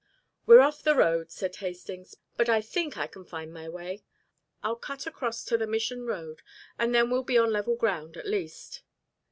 "We're off the road," said Hastings, "but I think I can find my way. I'll cut across to the Mission road, and then we'll be on level ground, at least."